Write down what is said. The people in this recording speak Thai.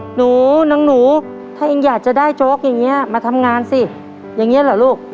หนูน้องหนูถ้าเองอยากจะได้โจ๊กอย่างนี้มาทำงานสิอย่างนี้เหรอลูก